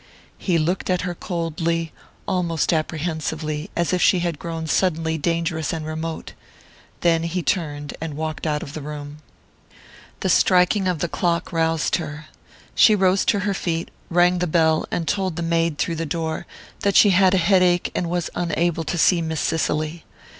He looked at her coldly, almost apprehensively, as if she had grown suddenly dangerous and remote; then he turned and walked out of the room. The striking of the clock roused her. She rose to her feet, rang the bell, and told the maid, through the door, that she had a headache, and was unable to see Miss Cicely.